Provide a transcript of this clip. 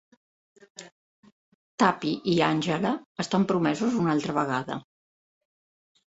Tuppy i Angela estan promesos una altra vegada.